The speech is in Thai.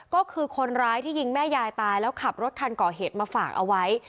ก็คือคนร้ายที่ยิงแม่ยายตายแล้วขับรถคันก่อเหตุมาฝากเอาไว้